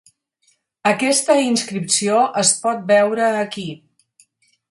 Aquesta inscripció es pot veure aquí.